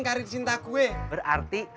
karir cinta gue berarti